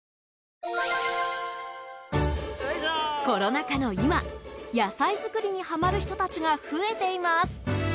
コロナ禍の今、野菜作りにはまる人たちが増えています。